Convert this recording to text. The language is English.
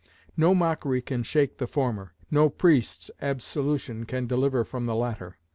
No mockery can shake the former; no priest's absolution can deliver from the latter.